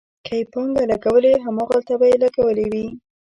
که یې پانګه لګولې، هماغلته به یې لګولې وي.